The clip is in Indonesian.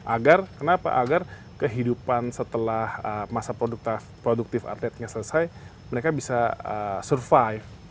agar kenapa agar kehidupan setelah masa produktif atletnya selesai mereka bisa survive